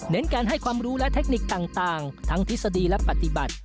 การให้ความรู้และเทคนิคต่างทั้งทฤษฎีและปฏิบัติ